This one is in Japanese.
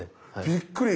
びっくり！